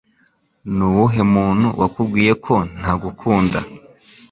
Nuwuhe muntu wakubwiye ko ntagukunda